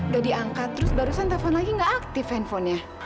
udah diangkat terus barusan telepon lagi gak aktif handphonenya